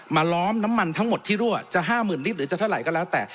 ล้อมน้ำมันทั้งหมดที่รั่วจะ๕๐๐๐ลิตรหรือจะเท่าไหร่ก็แล้วแต่